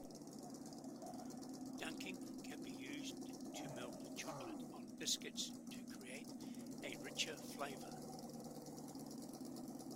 Dunking can be used to melt chocolate on biscuits to create a richer flavour.